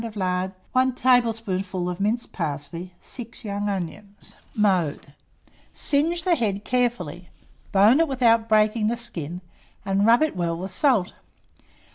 of lard, 1 tablespoonful of minced parsley, 6 young onions. [Illustration: PIG'S FACE.] Mode. Singe the head carefully, bone it without breaking the skin, and rub it well with salt.